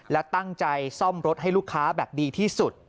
และตั้งใจซ่อมรถให้ลูกค้าแบบดีที่สุด